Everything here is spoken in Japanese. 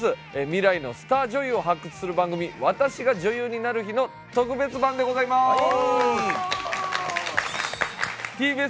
未来のスター女優を発掘する番組「私が女優になる日」の特別版でございますお！